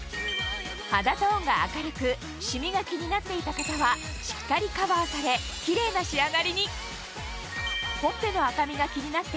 肌トーンが明るくシミが気になっていた方はしっかりカバーされキレイな仕上がりにほっぺの赤みが気になっていた